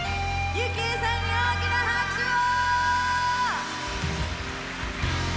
ゆきえさんに大きな拍手を！